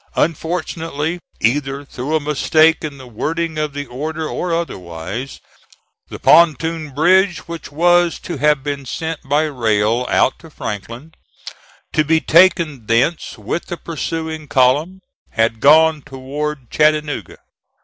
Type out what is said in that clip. Unfortunately, either through a mistake in the wording of the order or otherwise, the pontoon bridge which was to have been sent by rail out to Franklin, to be taken thence with the pursuing column, had gone toward Chattanooga.